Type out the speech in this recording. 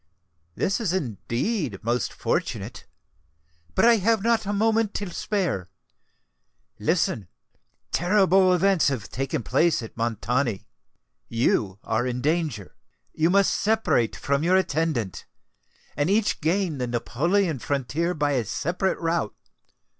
"This is indeed most fortunate! But I have not a moment to spare. Listen! terrible events have taken place at Montoni: you are in danger. You must separate from your attendant, and each gain the Neapolitan frontier by a separate route.